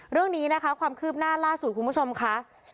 เรื่องนี้นะคะความคืบหน้าล่าสุดคุณผู้ชมค่ะ